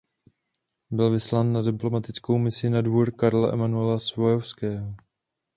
Byl vyslán na diplomatickou misi na dvůr Karla Emanuela Savojského.